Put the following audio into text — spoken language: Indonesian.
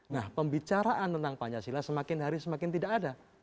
nah pembicaraan tentang pancasila semakin hari semakin tidak ada